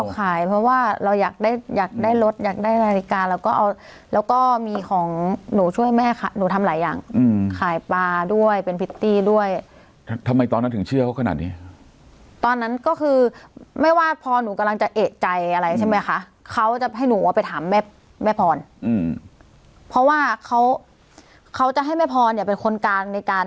ขายซ่ำศีลเพื่อเอาเงินมาให้เขาเลย